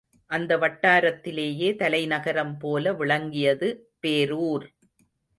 அந்த வட்டாரத்திலேயே தலைநகரம் போல விளங்கியது பேரூர்.